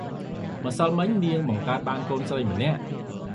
ម្សិលមិញ នាងបង្កើតបានកូនស្រីម្នាក់ ។